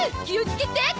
気をつけて！